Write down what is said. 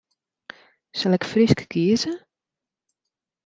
Sil ik Frysk kieze?